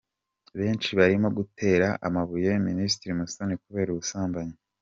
Benshi barimo "gutera amabuye" Minister Musoni kubera ubusambanyi.